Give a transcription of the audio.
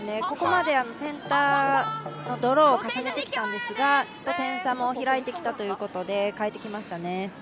ここまでセンターのドローを重ねてきたんですが、点差も開いてきたということで、変えてきましたね。